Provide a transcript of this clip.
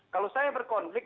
kalau saya berkonflik